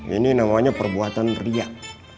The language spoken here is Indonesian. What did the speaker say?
ini namanya perbuatan riak